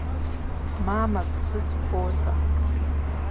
Мамэ, псы схуолӏэ…